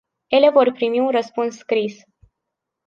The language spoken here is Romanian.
Ele vor primi un răspuns scris.